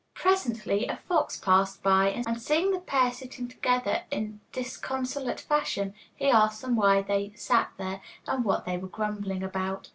Presently a fox passed by, and seeing the pair sitting together in a disconsolate fashion, he asked them why they sat there, and what they were grumbling about.